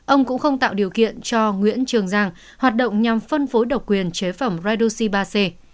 ông cũng không tạo điều kiện cho nguyễn trường giang hoạt động nhằm phân phối độc quyền chế phẩm redoxi ba c